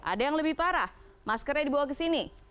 ada yang lebih parah maskernya dibawa ke sini